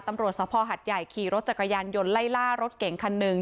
ตำรวจสภหัดใหญ่ขี่รถจักรยานยนต์ไล่ล่ารถเก่งคันหนึ่ง